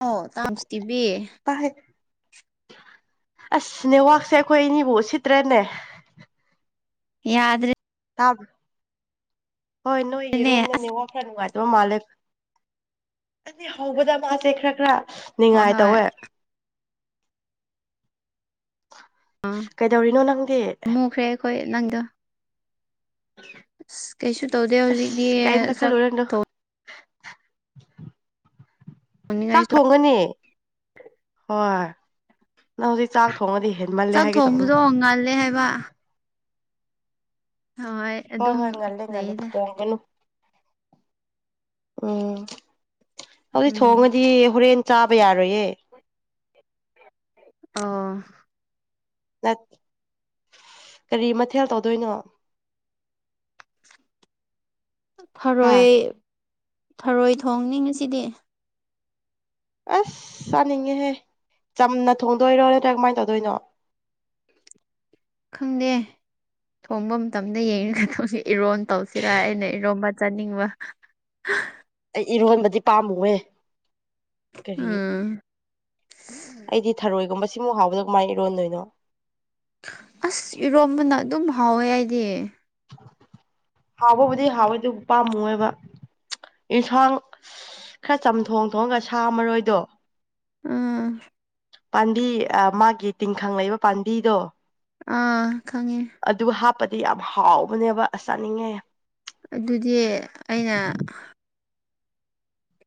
ꯑꯣ ꯇꯥꯕꯁ ꯇꯤꯕꯤ ꯑꯁ ꯅꯦꯋꯥꯛꯁꯦ ꯑꯩꯈꯣꯏ ꯑꯅꯤꯕꯨ ꯎꯠꯁꯤꯠꯇꯔꯦꯅꯦ ꯌꯥꯗ꯭ꯔꯦ ꯇꯥꯕ꯭ꯔꯥ ꯍꯣꯏ ꯅꯣꯏ ꯏꯔꯣꯝꯗ ꯑꯁ ꯅꯦꯠꯋꯥꯛ ꯈꯔ ꯅꯨꯡꯉꯥꯏꯇꯕ ꯃꯥꯜꯂꯦ ꯑꯅꯤ ꯍꯧꯕꯗ ꯃꯥꯁꯦ ꯈꯔ ꯈꯔ ꯍꯣꯏ ꯅꯤꯉꯥꯏ ꯍꯣꯏ ꯇꯧꯋꯦ ꯑꯥ ꯀꯩꯗꯧꯔꯤꯅꯣ ꯅꯪꯗꯤ ꯃꯨꯈ꯭ꯔꯦ ꯑꯩꯈꯣꯏ ꯅꯪꯗꯣ ꯑꯁ ꯀꯩꯁꯨ ꯇꯧꯗꯦ ꯍꯧꯖꯤꯛꯇꯤ ꯑꯁ ꯀꯩꯝꯇ ꯆꯥꯛ ꯈꯜꯂꯨꯔꯅꯨ ꯆꯥꯛ ꯊꯣꯡꯅꯤꯡꯉꯥꯏꯁꯨ ꯊꯣꯡꯒꯅꯤ ꯍꯣꯏ ꯅꯪꯗꯤ ꯆꯥꯛ ꯊꯣꯡꯉꯗꯤ ꯍꯦ ꯆꯥꯛ ꯊꯣꯡꯕꯗꯣ ꯉꯜꯂꯦ ꯍꯥꯏꯕ ꯍꯣꯏ ꯍꯣꯏ ꯑꯗꯨꯝ ꯍꯣꯏ ꯉꯜꯂꯦ ꯉꯜꯂꯦ ꯂꯩꯗ ꯊꫭꯡꯒꯤꯅꯨ ꯎꯝ ꯍꯧꯖꯤꯛ ꯎꯝ ꯊꯣꯡꯉꯗꯤ ꯍꯣꯔꯦꯟ ꯆꯥꯕ ꯌꯥꯔꯣꯏꯌꯦ ꯑꯣ ꯅꯠ ꯀꯔꯤ ꯃꯊꯦꯜ ꯇꯧꯗꯣꯏꯅꯣ ꯍꯥ ꯊꯔꯣꯏ ꯊꯔꯣꯏ ꯊꯣꯡꯅꯤ ꯉꯁꯤꯗꯤ ꯑꯁ ꯆꯥꯅꯤꯡꯉꯦꯍꯦ ꯆꯝꯅ ꯊꯣꯡꯗꯣꯏꯔꯣ ꯅꯠꯇ꯭ꯔꯒ ꯀꯃꯥꯏ ꯇꯧꯗꯣꯏꯅꯣ ꯈꯪꯗꯦ ꯊꯣꯡꯕ ꯃꯇꯝꯗ ꯌꯦꯡꯉ ꯇꯧꯁꯤ ꯏꯔꯣꯟ ꯇꯧꯁꯤꯔ ꯑꯩꯅ ꯏꯔꯣꯝꯕ ꯆꯥꯅꯤꯡꯕ [inaudible] ꯑꯩ ꯏꯔꯣꯟꯕꯗꯤ ꯄꯥꯝꯃꯨꯋꯦ ꯀꯔꯤ ꯎꯝ ꯑꯩꯗꯤ ꯊꯔꯣꯏꯒꯨꯝꯕ ꯁꯤꯃꯨꯛ ꯍꯥꯎꯕꯗ ꯀꯃꯥꯏꯟ ꯏꯔꯣꯟꯗꯣꯏꯅꯣ ꯑꯁ ꯏꯔꯣꯝꯕꯅ ꯑꯗꯨꯝ ꯍꯥꯎꯋꯦ ꯑꯩꯗꯤ ꯍꯥꯎꯕꯕꯨꯗꯤ ꯍꯥꯎꯋꯦꯗꯨ ꯄꯥꯝꯃꯨ ꯌꯦꯕ ꯑꯦꯟꯁꯥꯡ ꯈꯔ ꯆꯝꯊꯣꯡ ꯊꯣꯡꯉꯒ ꯁꯥ ꯃꯔꯣꯏꯗꯣ ꯎꯝ ꯄꯥꯝꯕꯤ ꯃꯥꯒꯤ ꯇꯤꯡꯈꯪ ꯂꯩꯕ ꯄꯥꯝꯕꯤꯗꯣ ꯑꯥ ꯈꯪꯉꯦ ꯑꯗꯨ ꯍꯥꯞꯄꯗꯤ ꯌꯥꯝ ꯍꯥꯎꯕꯅꯦꯕ ꯆꯥꯅꯤꯡꯉꯦ ꯑꯗꯨꯗꯤ ꯑꯩꯅ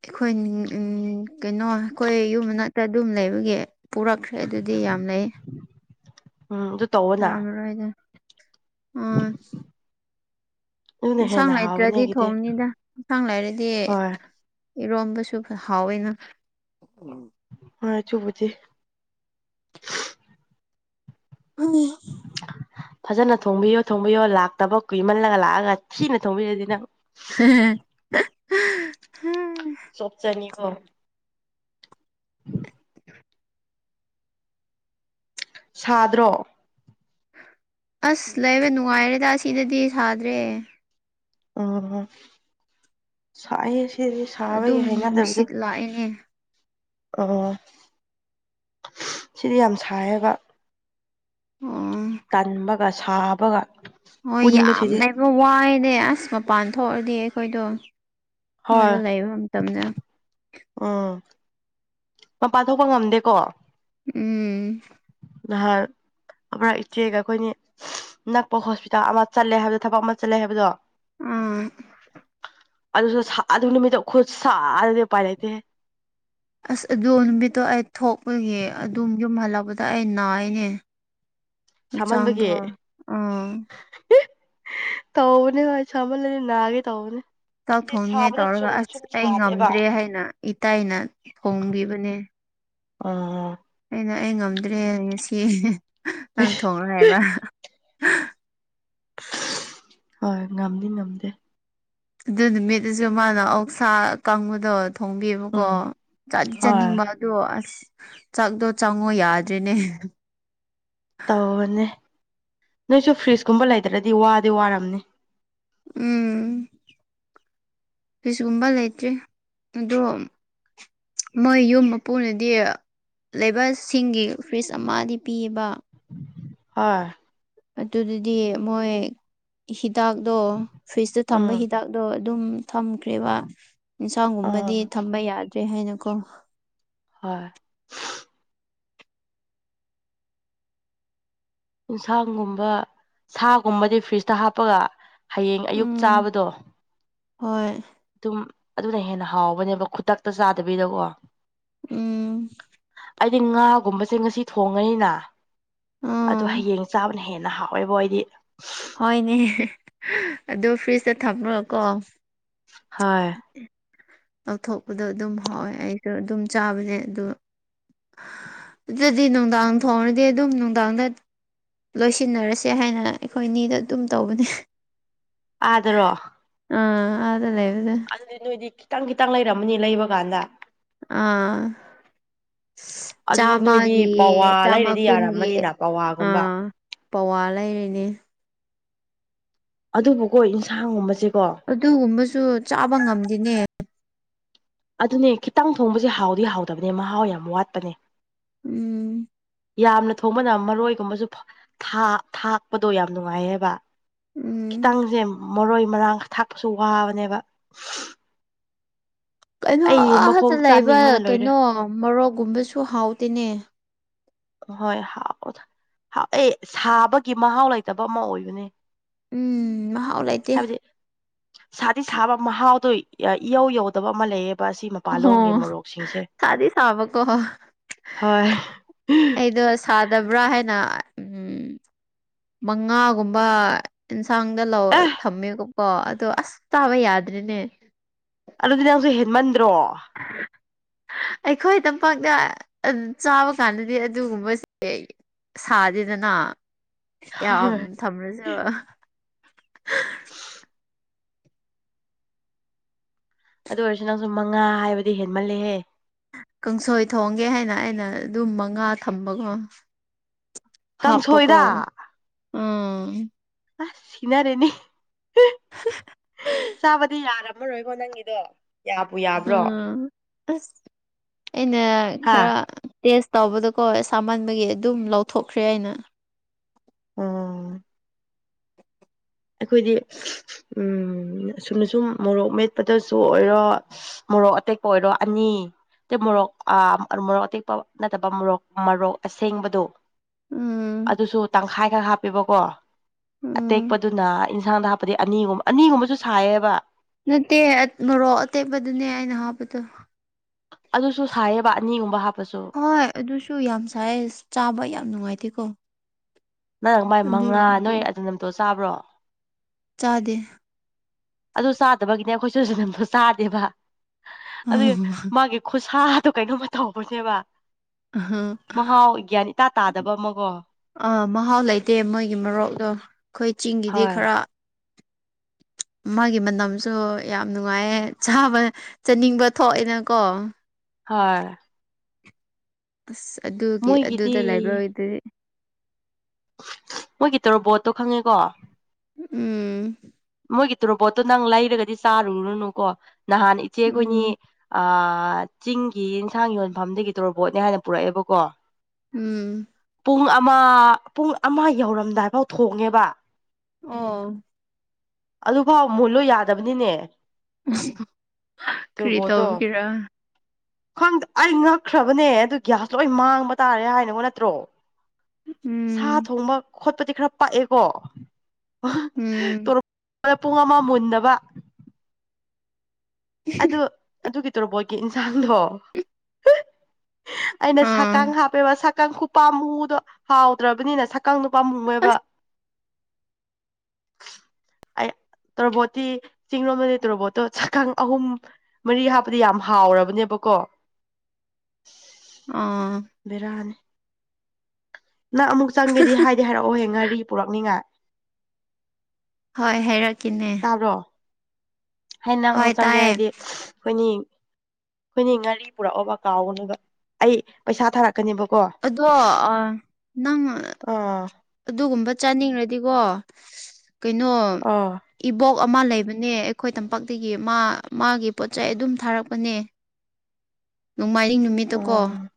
ꯑꯩꯈꯣꯏ ꯎꯝ ꯀꯩꯅꯣ ꯑꯩꯈꯣꯏ ꯌꯨꯝꯃꯅꯥꯛꯇ ꯑꯗꯨꯝ ꯂꯩꯕꯒꯤ ꯄꯨꯔꯛꯈ꯭ꯔꯦ ꯑꯗꯨꯗꯤ ꯌꯥꯝ ꯂꯩ ꯎꯝ ꯗꯨ ꯁꯥꯃꯔꯣꯢꯗꫭ ꯎꯝ ꯑꯗꯨꯅ ꯑꯦꯟꯁꯥꯡ ꯍꯦꯟꯅ ꯍꯥꯎꯕꯅꯦ ꯂꯩꯇ꯭ꯔꯗꯤ ꯑꯩꯒꯤꯗꯤ ꯊꯣꯡꯅꯤꯗ ꯏꯟꯁꯥꯡ ꯂꯩꯔꯗꯤ ꯍꯣꯏ ꯏꯔꯣꯝꯕꯁꯨ ꯍꯥꯎꯋꯦꯅ ꯍꯣꯏ ꯑꯗꯨꯕꯨꯗꯤ [unintelligible] [inaudible] ꯐꯖꯅ ꯊꯣꯡꯕꯤꯌꯣ ꯊꯣꯡꯕꯤꯌꯣ ꯂꯥꯛꯇꯕ ꯀꯨꯏꯃꯜꯂꯒ ꯂꯥꯑꯒ ꯊꯤꯅ ꯊꯣꯡꯕꯤꯔꯗꯤ ꯅꯪ [unintelligible] ꯆꯣꯞꯆꯅꯤꯀꯣ [unintelligible] ꯁꯥꯗ꯭ꯔꯣ ꯑꯁ ꯂꯩꯕ ꯅꯨꯉꯥꯏꯔꯦꯗ ꯑꯁꯤꯗꯗꯤ ꯁꯥꯗ꯭ꯔꯦ ꯑ ꯁꯥꯏꯌꯦ ꯁꯤ ꯁꯤꯗꯗꯤ ꯁꯥꯕꯒꯤ ꯑꯗꯨꯝ ꯍꯩꯅꯗꯕꯗꯣ ꯅꯨꯡꯁꯤꯠ ꯂꯥꯛꯑꯦꯅꯦ ꯑꯣ ꯁꯤꯗꯤ ꯌꯥꯝ ꯁꯥꯏꯌꯦꯕ ꯑꯣ ꯇꯟꯕꯒ ꯁꯥꯕꯒ ꯍꯣꯏ ꯄꯨꯟꯕꯁꯤꯗꯤ ꯌꯥꯝꯃꯦꯕ ꯋꯥꯏꯅꯦ ꯑꯁ ꯃꯄꯥꯟ ꯊꯣꯑꯗꯤ ꯑꯩꯈꯣꯏꯗꯣ ꯑꯥꯗ ꯂꯩꯕ ꯃꯇꯝꯗ ꯑꯥ ꯃꯄꯥꯟ ꯊꯣꯛꯄ ꯉꯝꯗꯦꯀꯣ ꯎꯝ ꯑꯒꯣꯏ ꯏꯆꯦꯒ ꯈꯣꯏꯅꯤ ꯅꯛꯄ ꯍꯣꯁꯄꯤꯇꯥꯜ ꯑꯃ ꯆꯠꯂꯦ ꯍꯥꯏꯕꯗꯣ ꯊꯕꯛ ꯑꯃ ꯆꯠꯂꯦ ꯍꯥꯏꯕꯗꯣ ꯑꯥ ꯑꯗꯨꯁꯨ ꯁꯥ ꯑꯗꯨ ꯅꯨꯃꯤꯠꯇꯣ ꯈꯨꯠ ꯁꯥꯗꯨꯗꯤ ꯎꯄꯥꯏ ꯂꯩꯇꯦꯍꯦ ꯑꯁ ꯑꯗꯨ ꯅꯨꯃꯤꯠꯇꯣ ꯑꯩ ꯊꯣꯛꯄꯒꯤ ꯑꯗꯨꯝ ꯌꯨꯝ ꯍꯜꯂꯛꯄꯗ ꯑꯩ ꯅꯥꯏꯌꯦꯅꯦ ꯁꯥꯃꯟꯕꯒꯤ ꯑꯥ ꯇꯧꯕꯅꯦ ꯍꯣꯢ ꯁꯃꯜꯂꯗꯤ ꯅꯥꯒꯦ ꯇꯧꯕꯅꯦ ꯆꯥꯛ ꯊꯣꯡꯅꯤꯉꯦ ꯁꯥꯕꯗ ꯇꯧꯔꯒ ꯆꯨꯝꯅ ꯑꯁ ꯁꯨꯝ ꯑꯩ ꯁꯥꯗꯦꯕ ꯉꯝꯗ꯭ꯔꯦ ꯍꯥꯏꯅ ꯏꯇꯩꯅ ꯊꯣꯡꯕꯤꯕꯅꯦ ꯑ ꯑꯩꯅ ꯑꯩ ꯉꯝꯗ꯭ꯔꯦ ꯉꯁꯤ ꯅꯪ ꯊꯣꯡꯔꯣ ꯍꯥꯏꯕ ꯍꯣꯏ ꯉꯝꯗꯤ ꯉꯝꯗꯦ ꯑꯗꯨ ꯅꯨꯃꯤꯠꯇꯨꯖꯨ ꯃꯥꯅ ꯑꯣꯛꯁꯥ ꯑꯀꯪꯕꯗꯣꯠ ꯊꯣꯡꯕꯤꯕꯀꯣ ꯎꯝ ꯆꯥꯗꯤ ꯍꯣꯏ ꯆꯥꯅꯤꯡꯕꯠ ꯗꯣ ꯑꯁ ꯆꯥꯛꯗꯣ ꯆꯪꯉꯣ ꯌꯥꯗ꯭ꯔꯦꯅꯦ ꯇꯧꯕꯅꯦ ꯅꯣꯏꯁꯨ ꯐ꯭ꯔꯤꯖꯀꯨꯝꯕ ꯂꯩꯗ꯭ꯔꯗꯤ ꯋꯥꯗꯤ ꯋꯥꯔꯝꯅꯤ ꯎꯝ ꯐꯤꯁꯒꯨꯝꯕ ꯂꯩꯇ꯭ꯔꯤ ꯑꯗꯨꯝ ꯃꯣꯏ ꯌꯨꯝ ꯃꯄꯨꯅꯗꯤ ꯂꯩꯕꯁꯁꯤꯡꯒꯤ ꯐ꯭ꯔꯤꯖ ꯑꯃꯗꯤ ꯄꯤꯌꯦꯕ ꯍꯣꯢ ꯑꯗꯨꯗꯗꯤ ꯃꯣꯏ ꯍꯤꯗꯥꯛꯗꯣ ꯐ꯭ꯔꯤꯖꯇ ꯊꯝꯕ ꯎꯝ ꯍꯤꯗ ꯗꯥꯛꯗꯣ ꯑꯗꯨꯝ ꯊꯝꯈ꯭ꯔꯦꯕ ꯎꯝ ꯏꯟꯁꯥꯡꯒꯨꯝꯕꯗꯤ ꯊꯝꯕ ꯌꯥꯗ꯭ꯔꯦ ꯍꯥꯏꯅꯀꯣ ꯍꯣꯏ ꯏꯟꯁꯥꯡꯒꯨꯝꯕ ꯁꯥꯒꯨꯝꯕꯗꯤ ꯐ꯭ꯔꯤꯖꯇ ꯍꯥꯞꯄꯒ ꯍꯌꯦꯡ ꯑꯌꯨꯛ ꯎꯝ ꯆꯥꯕꯗꯣ ꯍꯣꯏ ꯇꯨꯝ ꯑꯗꯨꯅ ꯍꯦꯟꯅ ꯍꯥꯎꯕꯅꯦꯕ ꯈꯨꯗꯛꯇ ꯆꯥꯗꯕꯤꯗꯀꯣ ꯎꯝ ꯑꯩꯗꯤ ꯉꯥꯒꯨꯝꯕꯁꯦ ꯉꯁꯤ ꯊꯣꯡꯉꯅꯤꯅ ꯑꯗꯨ ꯑꯥ ꯍꯌꯦꯡ ꯆꯥꯕ ꯅ ꯍꯦꯟꯅ ꯍꯥꯎꯋꯦꯕꯣ ꯑꯩꯗꯤ ꯍꯣꯏꯅꯦ ꯑꯗꯨ ꯐ꯭ꯔꯤꯖꯇ ꯊꯝꯔꯒꯀꯣ ꯍꯣꯢ ꯑꯦ ꯂꯧꯊꯣꯛꯄꯗꯣ ꯑꯗꯨꯝ ꯍꯥꯎꯋꯦ ꯑꯩꯁꯨ ꯑꯗꯨꯝ ꯆꯥꯕꯅꯦ ꯑꯗꯨ ꯑꯗꯨꯗꯤ ꯅꯨꯡꯗꯥꯡ ꯊꯣꯡꯔꯗꯤ ꯑꯗꯨꯝ ꯅꯨꯡꯗꯥꯡꯗ ꯂꯣꯏꯁꯤꯟꯅꯔꯁꯦ ꯍꯥꯏꯅ ꯑꯩꯈꯣꯏꯅꯤꯗ ꯑꯗꯨꯝ ꯇꯧꯕꯅꯦ ꯑꯥꯗꯔꯣ ꯑ ꯑꯥꯗ ꯂꯩꯔꯒ ꯑꯗꯨꯗꯤ ꯅꯣꯏꯗꯤ ꯈꯤꯇꯪ ꯈꯤꯇꯪ ꯂꯩꯔꯝꯃꯅꯤ ꯂꯩꯕ ꯀꯥꯟꯗ ꯑꯥ ꯑꯗꯨꯗꯤ ꯅꯣꯏꯗꯤ ꯆꯥꯃꯒꯤ ꯄꯋꯥ ꯆꯥꯝꯃ ꯂꯩꯔꯗꯤ ꯀꯨꯟꯒꯤ ꯌꯥꯔꯝꯃꯅꯤꯅ ꯄꯋꯥꯒꯨꯝꯕ ꯑꯥ ꯄꯋꯥ ꯂꯩꯔꯤꯅꯦ ꯑꯗꯨꯕꯨꯀꯣ ꯏꯟꯁꯥꯡꯒꯨꯝꯕꯁꯦꯀꯣ ꯑꯗꯨꯒꯨꯝꯕꯁꯨ ꯆꯥꯕ ꯉꯝꯗꯦꯅꯦ ꯑꯗꯨꯅꯦ ꯈꯤꯇꯪ ꯊꯣꯡꯕꯖꯦ ꯍꯥꯎꯗꯤ ꯍꯥꯎꯗꯕꯅꯦ ꯃꯍꯥꯎ ꯌꯥꯝ ꯋꯥꯠꯄꯅꯦ ꯎꯝ ꯌꯥꯝꯅ ꯊꯣꯡꯕꯅ ꯃꯔꯣꯏꯒꯨꯝꯕꯁꯨ ꯐꯥ ꯊꯥꯛꯄꯗꯣ ꯌꯥꯝ ꯅꯨꯡꯉꯥꯏꯌꯦꯕ ꯎꯝ ꯈꯤꯇꯪꯁꯦ ꯃꯔꯣꯏ ꯃꯔꯥꯡ ꯊꯥꯛꯄꯁꯨ ꯋꯥꯕꯅꯦꯕ ꯀꯩꯅꯣ ꯑꯩ ꯑꯥꯗ ꯃꯈꯣꯡ ꯂꯩꯕ ꯆꯥꯅꯤꯡꯕꯅ ꯂꯣꯏꯔꯦ ꯀꯩꯅꯣ ꯃꯔꯣꯛꯒꯨꯝꯕꯁꯨ ꯍꯥꯎꯇꯦꯅꯦ ꯍꯣꯏ ꯍꯥꯎꯕꯗꯣ ꯍꯥꯎꯋꯦ ꯁꯥꯕꯒꯤ ꯃꯍꯥꯎ ꯂꯩꯇꯕ ꯑꯃ ꯑꯣꯏꯕꯅꯦ ꯎꯝ ꯃꯍꯥꯎ ꯂꯩꯇꯦ ꯍꯥꯏꯕꯗꯤ ꯁꯥꯗꯤ ꯁꯥꯕ ꯃꯍꯥꯎꯗꯣ ꯏꯌꯧ ꯌꯧꯗꯕ ꯑꯃ ꯂꯩꯌꯦ ꯑꯍꯣ ꯁꯥꯗꯤ ꯁꯥꯕꯀꯣ ꯍꯣꯏ ꯑꯩꯗꯣ ꯁꯥꯗꯕ꯭ꯔꯥ ꯍꯥꯏꯅ ꯎꯝ ꯃꯉꯥꯒꯨꯝꯕ ꯏꯟꯁꯥꯡꯗ ꯂꯧ ꯑꯦ ꯊꯝꯃꯦꯕꯀꯣ ꯑꯗꯣ ꯑꯁ ꯆꯥꯕ ꯌꯥꯗ꯭ꯔꯦꯅꯦ ꯑꯗꯨꯗꯤ ꯅꯪꯁꯨ ꯍꯦꯟꯃꯟꯗ꯭ꯔꯣ ꯑꯩꯈꯣꯏ ꯇꯝꯄꯥꯛꯗ ꯑꯠ ꯆꯥꯕ ꯀꯥꯟꯗꯗꯤ ꯑꯗꯨꯒꯨꯝꯕꯁꯦ ꯁꯥꯗꯦꯗꯅ ꯌꯥꯝ ꯍꯣꯏ ꯊꯝꯔꯁꯨ ꯑꯗꯨ ꯑꯣꯏꯔꯁꯨ ꯅꯪꯁꯨ ꯃꯉꯥ ꯍꯥꯏꯕꯗꯤ ꯍꯦꯟꯃꯜꯂꯦꯍꯦ ꯀꯥꯡꯁꯣꯏ ꯊꯣꯡꯒꯦ ꯍꯥꯏꯅ ꯑꯩꯅ ꯑꯗꯨꯝ ꯃꯉꯥ ꯊꯝꯕꯀꯣ ꯍꯥꯞꯄꯀꯣ ꯀꯥꯡꯁꯣꯏꯗ ꯑ ꯑꯁ ꯁꯤꯅꯔꯅꯤ ꯆꯥꯕꯗꯤ ꯌꯥꯔ ꯔꯝꯃꯔꯣꯢꯀꯣ ꯅꯪꯒꯤꯗꯣ ꯌꯥꯕꯨ ꯌꯥ ꯎꯝ ꯑꯁ ꯑꯩꯅ ꯍꯥ ꯈꯔ ꯇꯦꯁ ꯇꯧꯕꯗꯀꯣ ꯁꯥꯃꯟꯕꯒꯤ ꯑꯗꯨꯝ ꯂꯧꯊꯣꯛꯈ꯭ꯔꯦ ꯑꯩꯅ ꯎꯝ ꯑꯩꯈꯣꯏꯗꯤ ꯎꯝ ꯁꯨꯝꯅ ꯁꯨꯝ ꯃꯣꯔꯣꯛ ꯃꯦꯠꯄꯗꯁꯨ ꯑꯣꯏꯔꯣ ꯃꯣꯔꯣꯛ ꯑꯇꯦꯛꯄ ꯑꯣꯏꯔꯣ ꯑꯅꯤ ꯇꯦ ꯃꯣꯔꯣꯛ ꯑ ꯃꯣꯔꯣꯛ ꯑꯇꯦꯛꯄ ꯅꯠꯇꯕ ꯃꯣꯔꯣꯛ ꯃꯔꯣꯛ ꯑꯁꯦꯡꯕꯗꯣ ꯎꯝ ꯑꯗꯨꯁꯨ ꯇꯪꯈꯥꯏ ꯈ ꯍꯥꯞꯄꯦꯕꯀꯣ ꯎꯝ ꯑꯇꯦꯛ ꯑꯗꯨꯅ ꯏꯟꯁꯥꯡꯗ ꯍꯥꯞꯄꯗꯤ ꯑꯅꯤꯒꯨꯝꯕ ꯑꯅꯤꯒꯨꯝꯕꯁꯨ ꯁꯥꯏꯌꯦꯕ ꯅꯠꯇꯦ ꯑꯠ ꯃꯔꯣꯛ ꯑꯇꯦꯛꯄꯗꯨꯅꯦ ꯑꯩꯅ ꯍꯥꯞꯄꯗꯣ ꯑꯗꯨꯁꯨ ꯁꯥꯏꯌꯦꯕ ꯑꯅꯤꯒꯨꯝꯕ ꯍꯥꯞꯄꯁꯨ ꯍꯣꯏ ꯑꯗꯨꯁꯨ ꯌꯥꯝ ꯁꯥꯏꯌꯦ ꯆꯥꯕ ꯌꯥꯝ ꯅꯨꯡꯉꯥꯏꯇꯦꯀꯣ ꯅꯪ ꯃꯥꯏ ꯃꯉꯥ ꯅꯣꯏ ꯑꯗꯨꯔꯣꯝꯒꯤ ꯑꯗꯨ ꯅꯝꯇꯣ ꯆꯥꯕ꯭ꯔꯣ ꯆꯥꯗꯦ ꯑꯗꯨ ꯆꯥꯗꯕꯒꯤꯅꯦ ꯑꯈꯣꯏꯁꯨ ꯖꯅꯝꯗꯣ ꯆꯥꯗꯦꯕ ꯑꯗꯨ ꯃꯥꯒꯤ ꯈꯨꯁꯥꯗꯣ ꯀꯩꯅꯣꯝꯃ ꯇꯧꯕꯅꯦꯕ ꯃꯍꯥꯎ ꯒ꯭ꯌꯥꯟ ꯏꯇꯥ ꯇꯥꯗꯕ ꯑꯃꯀꯣ ꯑꯥ ꯃꯍꯥꯎ ꯂꯩꯇꯦ ꯃꯣꯏꯒꯤ ꯃꯔꯣꯛꯗꯣ ꯈꯣꯏ ꯆꯤꯡꯒꯤꯗꯤ ꯍꯣꯏ ꯈꯔ ꯃꯥꯒꯤ ꯃꯅꯝꯁꯨ ꯌꯥꯝ ꯅꯨꯡꯉꯥꯏꯌꯦ ꯆꯥꯕ ꯆꯥꯅꯤꯡꯕ ꯊꯣꯛꯑꯦꯅꯀꯣ ꯍꯣꯏ ꯑꯁ ꯑꯗꯨꯒꯤ ꯃꯣꯏꯒꯤꯗꯤ ꯑꯗꯨꯗ ꯂꯥꯏꯕꯒꯣꯏꯗꯨꯗꯤ ꯃꯣꯏꯒꯤ ꯇꯣꯔꯣꯕꯣꯠꯇꯣ ꯈꯪꯉꯦꯀꯣ ꯎꯝ ꯃꯣꯏꯒꯤ ꯇꯣꯔꯣꯕꯣꯠꯇꯣ ꯅꯪ ꯂꯩꯔꯒꯗꯤ ꯆꯥꯔꯨꯔꯅꯨꯀꯣ ꯅꯍꯥꯟ ꯏꯆꯦ ꯈꯣꯏꯅꯤ ꯎꯝ ꯑ ꯆꯤꯡꯒꯤ ꯌꯤꯟꯁꯥꯡ ꯌꯣꯟꯐꯝꯗꯒꯤ ꯇꯣꯔꯕꯣꯠꯅꯦ ꯍꯥꯏꯅ ꯄꯨꯔꯛꯑꯦꯕꯀꯣ ꯎꯝ ꯄꯨꯡ ꯑꯃ ꯄꯨꯡ ꯑꯃ ꯌꯧꯔꯝꯗꯥꯏꯐꯥꯎ ꯊꯣꯡꯉꯦꯕ ꯑꯣ ꯑꯗꯨꯐꯥꯎ ꯃꯨꯜꯂꯣ ꯌꯥꯗꯕꯅꯤꯅꯦ [unintelligible] ꯀ꯭ꯔꯤ ꯇꯣꯔꯕꯣꯠꯇꯣ ꯇꯧꯕꯒꯤꯔꯥ ꯈꯪꯗꯦ ꯑꯩ ꯉꯛꯈ꯭ꯔꯕꯅꯦ ꯑꯗꯨ ꯒ꯭ꯌꯥꯁ ꯂꯣꯏ ꯃꯥꯡꯕ ꯇꯥꯔꯦ ꯍꯥꯏꯅꯉꯣ ꯅꯠꯇ꯭ꯔꯣ ꯁꯥ ꯎꯝ ꯊꯣꯡꯕ ꯈꯣꯠꯄꯗꯤ ꯈꯔ ꯄꯛꯑꯦꯀꯣ ꯎꯝ ꯄꯨꯡ ꯑꯃ ꯃꯨꯟꯗꯕ ꯑꯗꯨ ꯑꯗꯨꯒꯤ ꯇꯣꯔꯕꯣꯠꯀꯤ ꯏꯟꯁꯥꯡꯗꯣ ꯑꯩꯅ ꯁꯥ ꯀꯥꯡ ꯑꯥ ꯍꯥꯞ ꯕꯦꯕ ꯁꯥꯀꯪ ꯈꯨꯄꯥ ꯃꯨꯗꯣ ꯍꯥꯎꯇ꯭ꯔꯕꯅꯤꯅ ꯁꯥꯀꯪ ꯗꯨ ꯄꯥꯃꯨꯌꯦꯕ [inaudible] ꯑꯩ ꯇ꯭ꯔꯣꯕꯣꯠꯇꯤ ꯆꯤꯡ ꯔꯣꯝꯗꯗꯤ ꯇꯣꯔꯕꯣꯠꯇꯣ ꯁꯥꯀꯪ ꯑꯍꯨꯝ ꯃꯔꯤ ꯍꯥꯞꯄꯗꯤ ꯌꯥꯝ ꯍꯥꯎꯔꯕꯅꯦꯕꯀꯣ ꯑꯪ ꯕꯦꯔꯥꯅꯤ ꯅꯪ ꯑꯃꯨꯛ ꯆꯪꯒꯦꯗꯤ ꯍꯥꯏꯗꯤ ꯍꯥꯏꯔꯛꯑꯣꯍꯦ ꯉꯥꯔꯤ ꯄꯨꯔꯥꯛꯅꯤꯉꯥꯏ ꯍꯣꯏ ꯍꯥꯏꯔꯛꯀꯦꯅꯦ [unintelligible] ꯑꯩꯅ ꯍꯣꯏ ꯑꯃꯨꯛ ꯆꯪꯒꯦ ꯇꯥꯏꯌꯦ ꯍꯥꯏꯗꯤ ꯈꯣꯏꯅꯤ ꯈꯣꯏꯅꯤ ꯉꯥꯔꯤ ꯄꯨꯔꯛꯑꯣꯕ ꯀꯥꯎꯒꯅꯤꯕ ꯑꯩ ꯄꯩꯁꯥ ꯊꯥꯔꯛ ꯀꯅꯦꯕꯀꯣ ꯑꯗꯣ ꯑ ꯅꯪ ꯑꯥ ꯑꯗꯨꯒꯨꯝꯕ ꯆꯥꯅꯤꯡꯔꯗꯤꯀꯣ ꯀꯩꯅꯣ ꯑꯥ ꯏꯕꯣꯛ ꯑꯃ ꯂꯩꯕꯅꯦ ꯑꯩꯈꯣꯏ ꯇꯝꯄꯥꯛꯇꯒꯤ ꯃꯥ ꯃꯥꯒꯤ ꯄꯣꯠꯆꯩ ꯑꯗꯨꯝ ꯊꯥꯔꯛꯄꯅꯦ [inaudible] ꯅꯣꯡꯃꯥꯏꯤꯡ ꯅꯨꯃꯤꯠꯇ ꯀꯣ ꯑꯥ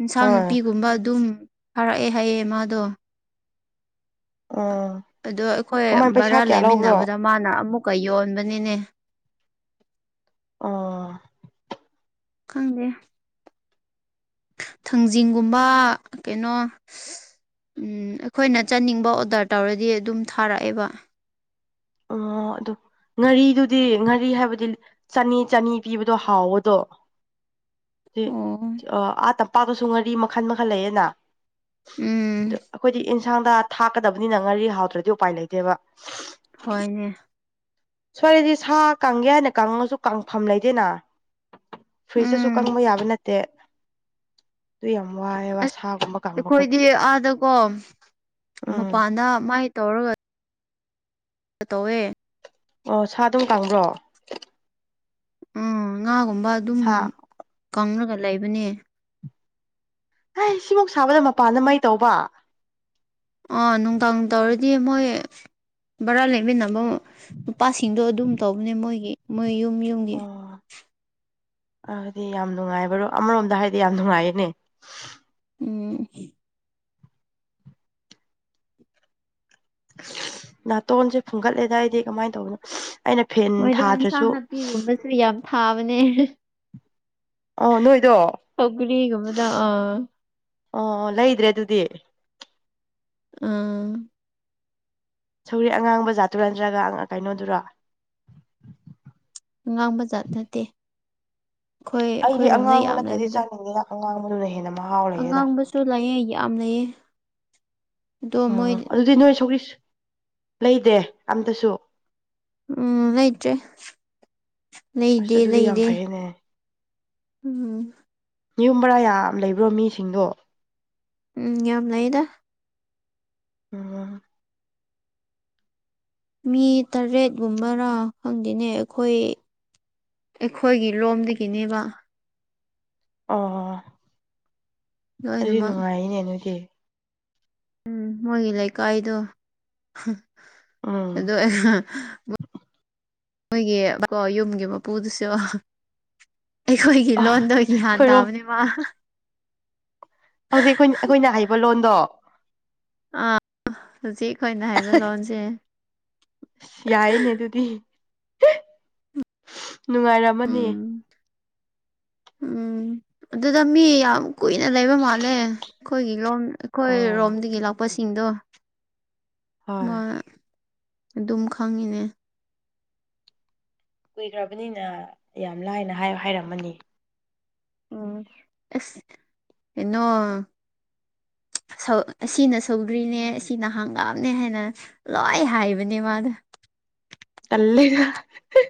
ꯏꯟꯁꯥꯡ ꯍꯣꯏ ꯅꯥꯄꯤꯒꯨꯝꯕ ꯑꯗꯨꯝ ꯊꯥꯔꯥꯛꯑꯦ ꯍꯥꯏꯌꯦ ꯃꯥꯗꯣ ꯑꯣ ꯑꯗꯣ ꯑꯩꯈꯣꯏ ꯚꯔꯥ ꯂꯩꯃꯤꯟꯅꯕꯗ ꯃꯥꯅ ꯑꯃꯨꯛꯀ ꯌꯣꯟꯕꯅꯤꯅꯦ ꯑꯣ ꯈꯪꯗꯦ ꯊꯥꯡꯖꯤꯡꯒꯨꯝꯕ ꯀꯩꯅꯣ [unintelligible] ꯎꯝ ꯑꯈꯣꯏꯅ ꯆꯥꯅꯤꯡꯕ ꯑꯣꯗ꯭ꯔ ꯇꯧꯔꯗꯤ ꯑꯗꯨꯝ ꯊꯥꯔꯥꯛꯑꯦꯕ ꯑꯣ ꯑꯗꯨ ꯉꯥꯔꯤꯗꯨꯗꯤ ꯉꯥꯔꯤ ꯍꯥꯏꯕꯗꯤ ꯆꯥꯅꯤ ꯆꯥꯅꯤ ꯄꯤꯕꯗꯣ ꯍꯥꯎꯕꯗꯣ ꯑꯣ [unintelligible] ꯑꯥ ꯇꯝꯄꯥꯛꯇꯁꯨ ꯉꯥꯔꯤ ꯃꯈꯟ ꯃꯈꯜ ꯂꯩꯌꯦꯅ ꯎꯝ ꯑꯗꯨ ꯑꯈꯣꯏꯗꯤ ꯏꯟꯁꯥꯡꯗ ꯊꯥꯛꯀꯗꯕꯅꯤꯅ ꯉꯥꯔꯤ ꯍꯥꯎꯇ꯭ꯔꯗꯤ ꯎꯄꯥꯏ ꯂꯩꯇꯦꯕ [unintelligible] ꯍꯣꯏꯅꯦ ꯁ꯭ꯋꯥꯏꯗꯤ ꯁꯥ ꯀꯪꯒꯦ ꯍꯥꯏꯅ ꯀꯪꯉꯁꯨ ꯀꯪꯐꯝ ꯂꯩꯇꯦꯅ ꯐ꯭ꯔꯤꯖꯇꯁꯨ ꯎꯝ ꯀꯪꯕ ꯌꯥꯕ ꯅꯠꯇꯦ ꯑꯗꯨ ꯌꯥꯝ ꯋꯥꯏꯑꯦꯕ ꯑꯁ ꯁꯥꯒꯨꯝꯕ ꯀꯪꯕ ꯈꯣꯠꯄ ꯑꯩꯈꯣꯏꯗꯤ ꯑꯥꯗꯀꯣ ꯎꯝ ꯃꯄꯥꯟꯗ ꯃꯥꯏ ꯇꯧꯔꯒ ꯇꯧꯋꯦ ꯑꯣ ꯁꯥ ꯑꯗꯨꯝ ꯀꯪꯕ꯭ꯔꯣ ꯎꯝ ꯉꯥꯒꯨꯝꯕ ꯑꯗꯨꯝ ꯍꯥꯥ ꯀꯪꯔꯒ ꯂꯩꯕꯅꯦ ꯍꯩ ꯁꯤꯃꯨꯛ ꯁꯥꯕꯗ ꯃꯄꯥꯟꯗ ꯃꯩ ꯇꯧꯕ ꯑꯣ ꯅꯨꯡꯗꯥꯡ ꯇꯧꯔꯗꯤ ꯃꯣꯏ ꯚꯔꯥ ꯂꯩꯃꯤꯟꯅꯕ ꯅꯨꯄꯥꯁꯤꯡꯗꯣ ꯑꯗꯨꯝ ꯇꯧꯕꯅꯦ ꯃꯣꯏꯒꯤ ꯃꯣꯏ ꯌꯨꯝ ꯌꯨꯝꯒꯤ ꯑꯣ ꯑꯗꯨꯗꯤ ꯌꯥꯝ ꯅꯨꯡꯉꯥꯏꯕꯔꯣ ꯑꯃꯔꯣꯝꯗ ꯍꯥꯏꯗꯤ ꯌꯥꯝ ꯅꯨꯡꯉꯥꯏꯌꯦꯅꯦ ꯎꯝ ꯅꯥꯇꯣꯟꯖꯦ ꯐꯨꯡꯒꯠꯂꯦꯗ ꯑꯩꯗꯤ ꯀꯃꯥꯏꯟ ꯇꯧꯕꯅꯣ ꯑꯩꯅ ꯐꯦꯟ ꯊꯥꯗ꯭ꯔꯁꯨ ꯀꯨꯝꯃꯁꯨ ꯌꯥꯝ ꯊꯥꯕꯅꯦ ꯑꯣ ꯅꯣꯏꯗꯣ ꯁꯧꯒꯔꯤꯒꯨꯝꯕꯗ ꯑꯥ ꯑꯣ ꯂꯩꯗ꯭ꯔꯦ ꯑꯗꯨꯗꯤ ꯑꯥ ꯁꯧꯒ꯭ꯔꯤ ꯑꯉꯥꯡꯕ ꯖꯥꯠꯇꯨꯔꯥ ꯅꯠꯇ꯭ꯔꯒ ꯑꯪ ꯀꯩꯅꯣꯗꯨꯔꯣ ꯑꯉꯥꯡꯕ ꯖꯥꯠ ꯅꯠꯇꯦ ꯑꯩꯈꯣꯏ ꯑꯩꯗꯤ ꯑꯩꯈꯣꯏ ꯔꯨꯝꯗ ꯑꯉꯥꯡꯕ ꯌꯥꯝ ꯅꯠꯇ꯭ꯔꯗꯤ ꯂꯩꯕꯗꯣ ꯆꯥꯅꯤꯡꯉꯤꯅ ꯑꯉꯥꯡꯕꯗꯨꯅ ꯍꯦꯟꯅ ꯃꯍꯥꯎ ꯂꯩꯌꯦꯗ ꯑꯉꯥꯡꯕꯁꯨ ꯂꯩꯌꯦ ꯌꯥꯝ ꯂꯩꯌꯦ ꯑꯗꯣ ꯃꯣꯏ ꯑꯣ ꯑꯗꯨꯗꯤ ꯅꯣꯏ ꯁꯧꯒ꯭ꯔꯤ ꯁꯨ ꯂꯩꯗꯦ ꯑꯝꯇꯁꯨ ꯎꯝ ꯂꯩꯇ꯭ꯔꯦ ꯑꯁ ꯂꯩꯗꯦ ꯑꯗꯨꯗꯤ ꯌꯥꯝ ꯂꯩꯗꯦ ꯐꯩꯌꯦꯅꯦ ꯎꯝ ꯌꯨꯝ ꯚꯔꯥ ꯌꯥꯝ ꯂꯩꯕ꯭ꯔꯣ ꯃꯤꯁꯤꯡꯗꯣ ꯎꯝ ꯌꯥꯝ ꯂꯩꯗ [unintelligible] ꯃꯤ ꯇꯔꯦꯠꯒꯨꯝꯕꯔꯥ ꯈꯪꯗꯦꯅꯦ ꯑꯩꯈꯣꯏ ꯑꯩꯈꯣꯏꯒꯤ ꯂꯣꯝꯗꯒꯤꯅꯦꯕ ꯑꯣ ꯑꯗꯨꯗꯤ ꯂꯣꯏꯅꯃꯛ ꯅꯨꯡꯉꯥꯏꯌꯦꯅꯦ ꯅꯣꯏꯗꯤ ꯎꯝ ꯃꯣꯏꯒꯤ ꯂꯩꯀꯥꯏꯗꯣ ꯎꯝ ꯑꯗꯣ ꯑꯩꯅ ꯃꯣꯏꯒꯤ ꯀꯣ ꯌꯨꯝꯒꯤ ꯃꯄꯨꯗꯨꯁꯨ ꯑꯩꯈꯣꯏꯒꯤ ꯑ ꯂꯣꯟꯗꯣ ꯒ꯭ꯌꯥꯟ ꯑꯩꯈꯣꯏꯔꯣꯝ ꯇꯥꯕꯅꯦ ꯃꯥ ꯍꯧꯖꯤꯛ ꯑꯩꯈꯣꯏ ꯑꯩꯈꯣꯏꯅ ꯍꯩꯕ ꯂꯣꯟꯗꯣ ꯑꯥ ꯍꯨꯖꯤꯛ ꯑꯩꯈꯣꯏꯅ ꯍꯩꯕ ꯂꯣꯟꯖꯦ ꯏꯁ ꯌꯥꯏꯅꯦ ꯑꯗꯨꯗꯤ ꯅꯨꯡꯉꯥꯏꯔꯝ ꯎꯝ ꯎꯝ ꯑꯗꯨꯗ ꯃꯤ ꯌꯥꯝ ꯀꯨꯏꯅ ꯂꯩꯕ ꯃꯥꯜꯂꯦ ꯈꯣꯏꯒꯤ ꯂꯣꯝ ꯑꯩꯈꯣꯏ ꯑꯣ ꯔꯣꯝꯗꯒꯤ ꯂꯥꯛꯄꯁꯤꯡꯗꯣ ꯍꯣꯏ ꯃꯥ ꯑꯗꯨꯝ ꯈꯪꯉꯤꯅꯦ ꯀꯨꯏꯈ꯭ꯔꯕꯅꯤꯅ ꯌꯥꯝ ꯂꯥꯏꯅ ꯍꯥꯢ ꯍꯥꯏꯔꯝꯃꯅꯤ ꯎꯝ ꯑꯁ ꯀꯩꯅꯣ ꯁꯧ ꯑꯁꯤꯅ ꯁꯧꯒ꯭ꯔꯤꯅꯦ ꯑꯁꯤꯅ ꯍꯪꯒꯥꯝꯅꯦ ꯍꯥꯢꯅ ꯂꯣꯢ ꯍꯥꯢꯕꯅꯦ ꯃꯥꯗꯣ ꯇꯂꯦꯗ ꯍꯍꯩ